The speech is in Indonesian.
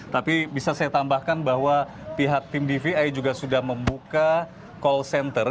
tapi bisa saya tambahkan bahwa pihak tim dvi juga sudah membuka call center